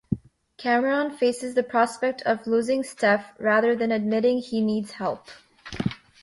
Cameron faces the prospect of losing Steph rather than admitting he needs help.